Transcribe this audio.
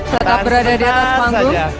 tetap berada di atas panggung